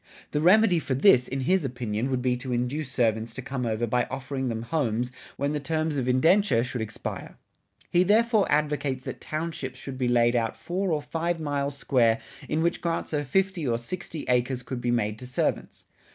The remedy for this, in his opinion, would be to induce servants to come over by offering them homes when the terms of indenture should expire.[60:1] He therefore advocates that townships should be laid out four or five miles square in which grants of fifty or sixty acres could be made to servants.